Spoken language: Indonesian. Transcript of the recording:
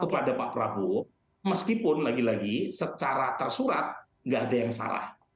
kepada pak prabowo meskipun lagi lagi secara tersurat tidak ada yang salah